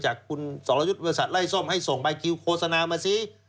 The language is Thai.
จากคุณสรยุทธ์บริษัทไล่ส้มให้ส่งใบคิวโฆษณามาซิ